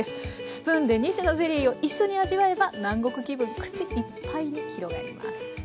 スプーンで２種のゼリーを一緒に味わえば南国気分口いっぱいに広がります。